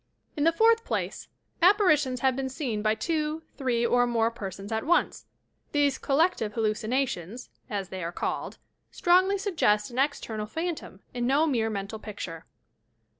In the fourth place, apparitions have been seen by two, three or more persons at once. These "collective hallucinations," as they are called, strongly suggest an external phantom and no mere mental picture.